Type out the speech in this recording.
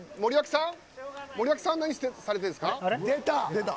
森脇さん何されているんですか。